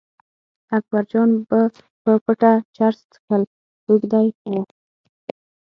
اکبرجان به په پټه چرس څښل روږدي و.